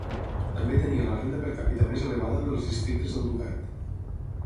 També tenia la renda per càpita més elevada dels districtes del ducat.